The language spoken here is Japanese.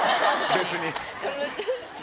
別に。